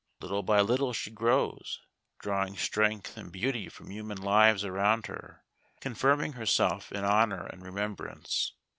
Little by little she grows, drawing strength and beauty from human lives around her, confirming herself in honour and remembrance.